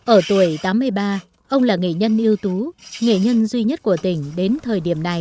ở tuổi tám mươi ba ông là nghệ nhân ưu tú nghệ nhân duy nhất của tỉnh đến thời điểm này